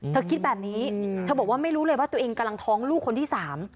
คิดแบบนี้เธอบอกว่าไม่รู้เลยว่าตัวเองกำลังท้องลูกคนที่๓